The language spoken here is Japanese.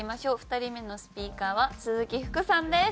２人目のスピーカーは鈴木福さんです。